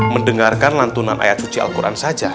mendengarkan lantunan ayat suci al quran saja